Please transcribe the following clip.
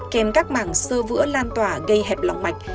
kèm các mảng sơ vữa lan tỏa gây hẹp lòng mạch